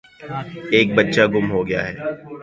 ایک بچہ گُم ہو گیا ہے۔